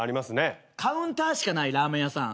カウンターしかないラーメン屋さん。